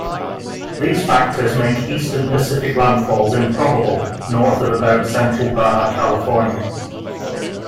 These factors make eastern Pacific landfalls improbable north of about central Baja California.